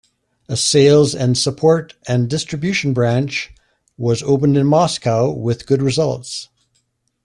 A sales and support and distribution branch was opened in Moscow with good results.